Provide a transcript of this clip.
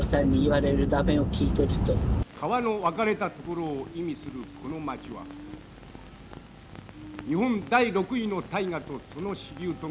「河の分かれたところ」を意味するこの町は日本第６位の大河とその支流とが真二つに裂けた燕の尾の。